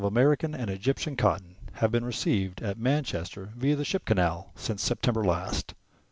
\merican and Egyptian cotton have l^een received at 5Ianchester, via the ship canal, since September last.